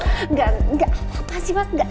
gak apa apa sih mas